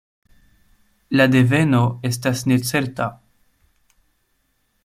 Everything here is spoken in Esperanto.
La deveno estas necerta.